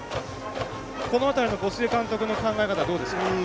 この辺りの小菅監督の考え方はどうですか？